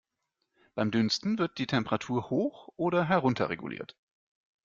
Beim Dünsten wird die Temperatur hoch oder herunterreguliert.